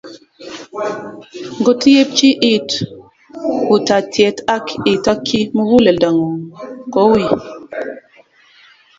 Ngot iepchi iit utaatyet, ak itokyi muguleldang'ung' kaguiy